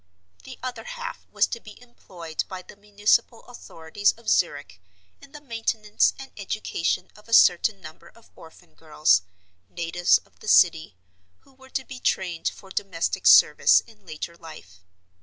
The other half was to be employed by the municipal authorities of Zurich in the maintenance and education of a certain number of orphan girls, natives of the city, who were to be trained for domestic service in later life.